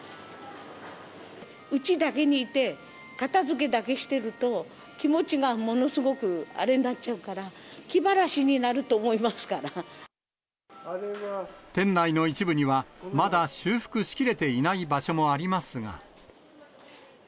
うちだけにいて、片づけだけしてると、気持ちがものすごくあれになっちゃうから、気晴らしになると思い店内の一部には、まだ修復しきれていない場所もありますが。